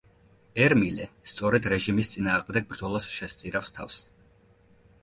ერმილე სწორედ რეჟიმის წინააღმდეგ ბრძოლას შესწირავს თავს.